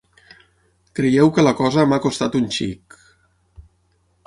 Creieu que la cosa m'ha costat un xic…